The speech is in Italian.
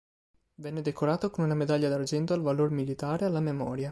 Venne decorato con una medaglia d'argento al valor militare alla memoria.